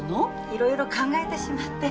いろいろ考えてしまって。